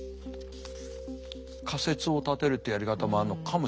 仮説を立てるってやり方もあんのかもしれません。